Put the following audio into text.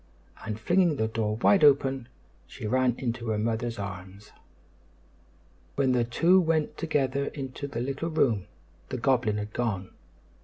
and, flinging the door wide open, she ran into her mother's arms. When the two went together into the little room, the goblin had gone.